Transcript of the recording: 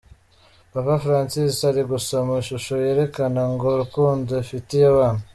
Papa Francis ari gusoma ishusho yerekana ngo urukundo afitiye abana.